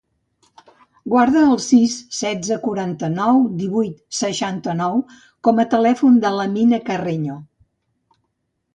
Guarda el sis, setze, quaranta-nou, divuit, seixanta-nou com a telèfon de l'Amina Carreño.